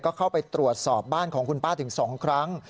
ก็เข้าไปตรวจสอบบ้านของคุณป้าถึง๒ครั้ง